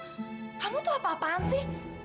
kamu tuh apa apaan sih